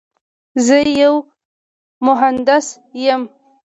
زه یو مهندس یم.